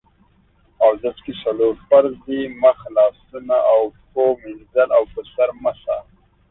اودس کې څلور فرض دي: مخ، لاسونو او پښو مينځل او په سر مسح